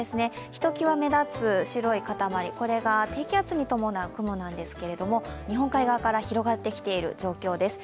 ひときわ目立つ白いかたまり、これが低気圧を伴う雲なんですが日本海側から広がってきている状況です。